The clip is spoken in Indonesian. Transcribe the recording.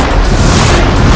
aku harus membantu